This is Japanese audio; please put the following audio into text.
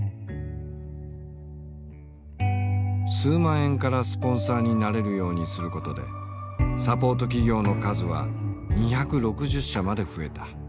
数万円からスポンサーになれるようにすることでサポート企業の数は２６０社まで増えた。